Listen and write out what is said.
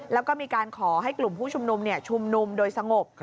แล้วก็มีการขอให้กลุ่มผู้ชุมนุมชุมนุมโดยสงบ